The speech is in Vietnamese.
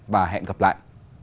và hẹn gặp lại